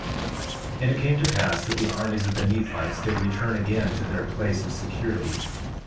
4:15 And it came to pass that the armies of the Nephites did return again to their place of security.